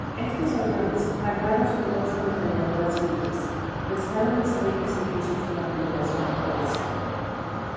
Estos aviones, armados con dos ametralladoras Vickers, prestaron excelentes servicios durante la invasión japonesa.